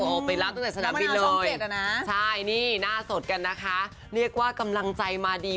ไปรับตั้งแต่สนามบินเลยใช่นี่หน้าสดกันนะคะเรียกว่ากำลังใจมาดี